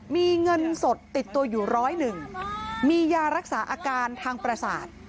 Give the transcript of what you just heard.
มีเงินสดติดตัวอยู่ร้อยหนึ่งมียารักษาอาการทางประสาท